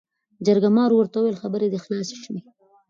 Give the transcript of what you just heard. جرګمارو ورته وويل خبرې دې خلاصې شوې ؟